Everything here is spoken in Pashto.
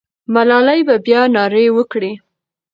ملالۍ به بیا ناره وکړي.